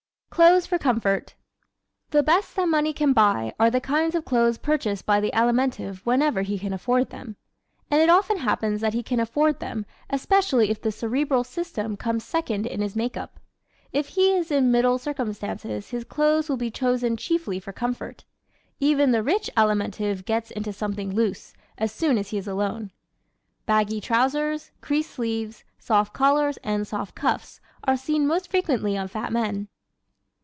Clothes for Comfort ¶ The best that money can buy are the kinds of clothes purchased by the Alimentive whenever he can afford them. And it often happens that he can afford them, especially if the Cerebral system comes second in his makeup. If he is in middle circumstances his clothes will be chosen chiefly for comfort. Even the rich Alimentive "gets into something loose" as soon as he is alone. Baggy trousers, creased sleeves, soft collars and soft cuffs are seen most frequently on fat men.